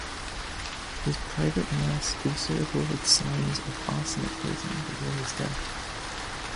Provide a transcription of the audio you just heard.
His private nurse also reported signs of arsenic poisoning before his death.